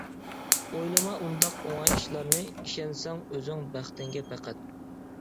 ئويلىما ئۇنداق ئوڭاي ئىشلارنى، ئىشەنسەڭ ئۆزۈڭ بەختىڭگە پەقەت.